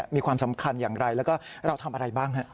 มีความสำคัญอย่างไรแล้วก็เราทำอะไรบ้างฮะ